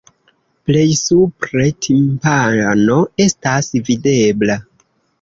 Plej supre timpano estas videbla.